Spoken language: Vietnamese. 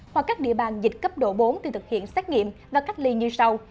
hoặc các địa bàn dịch cấp độ bốn thì thực hiện xét nghiệm và cách ly như sau